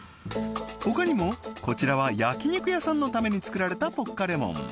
他にもこちらは焼肉屋さんのために作られたポッカレモン